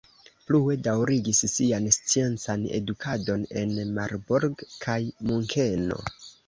Plue daŭrigis sian sciencan edukadon en Marburg kaj Munkeno.